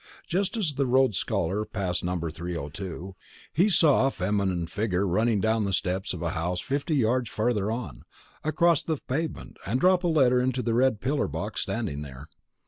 Just as the Rhodes Scholar passed number 302 he saw a feminine figure run down the steps of a house fifty yards farther on, cross the pavement, and drop a letter into the red pillar box standing there.